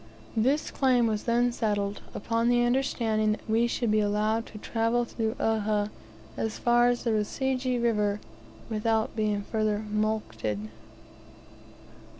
This claim was then settled, upon the understanding that we should be allowed to travel through Uhha as far as the Rusugi River without being further mulcted.